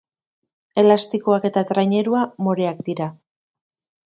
Elastikoak eta trainerua moreak dira.